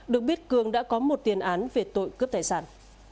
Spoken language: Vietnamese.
được biết cường đã có một tiền án về tội cướp tài sản